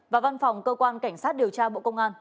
và văn phòng cơ quan cảnh sát điều tra bộ công an